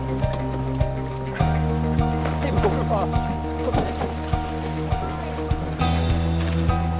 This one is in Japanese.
こっちです。